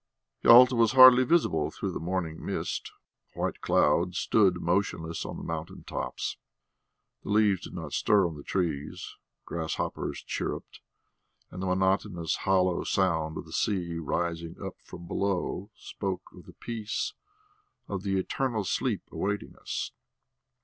Yalta was hardly visible through the morning mist; white clouds stood motionless on the mountain tops. The leaves did not stir on the trees, grasshoppers chirruped, and the monotonous hollow sound of the sea rising up from below, spoke of the peace, of the eternal sleep awaiting us.